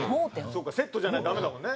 セットじゃないとダメだもんね。